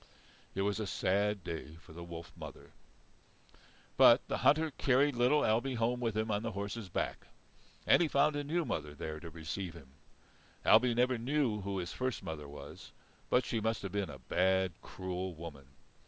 It was a sad day for the wolf mother. But the hunter carried little Ailbe home with him on the horse's back. And he found a new mother there to receive him. Ailbe never knew who his first mother was, but she must have been a bad, cruel woman.